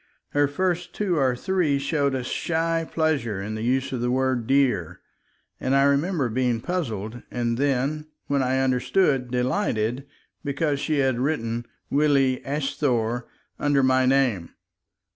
Her first two or three showed a shy pleasure in the use of the word "dear," and I remember being first puzzled and then, when I understood, delighted, because she had written "Willie asthore" under my name.